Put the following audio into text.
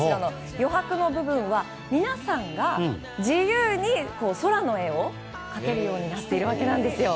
余白の部分は皆さんが自由に空の絵を描けるようになっているんですよ。